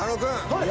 はい。